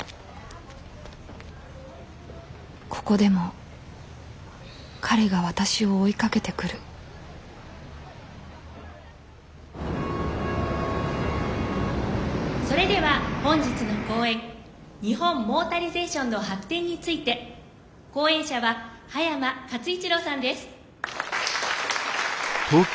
ここでも彼が私を追いかけてくるそれでは本日の講演「日本・モータリゼーションの発展」について講演者は葉山勝一郎さんです。